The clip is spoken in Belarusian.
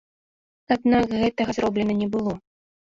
Аднак гэтага зроблена не было.